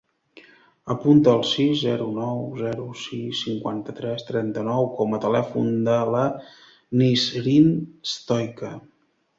Apunta el sis, zero, nou, zero, sis, cinquanta-tres, trenta-nou com a telèfon de la Nisrin Stoica.